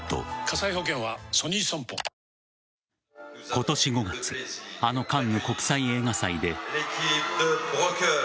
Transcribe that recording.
今年５月あのカンヌ国際映画祭で。